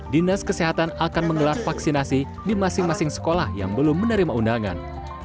dinas kesehatan akan menggelar vaksinasi di masing masing sekolah yang belum menerima undangan